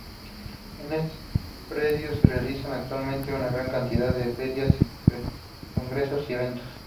En estos predios se realizan anualmente una gran cantidad de ferias, congresos y eventos.